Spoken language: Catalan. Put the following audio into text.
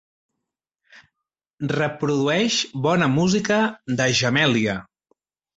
Reprodueix bona música de Jamelia.